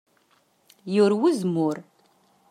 Yurew uzemmur.